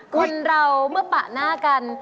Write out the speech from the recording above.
คนเราเมื่อปะหน้ากัน